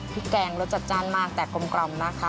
แกงรสจัดจ้านมากแต่กลมนะคะ